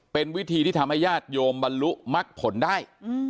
เป็นวิธีที่ทำให้ญาติโยมบรรลุมักผลได้